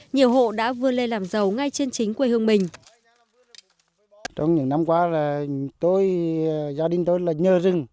nhiều hộ đã vươn lên làm giàu ngay trên chính quê hương mình